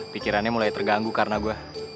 pikirannya mulai terganggu karena gue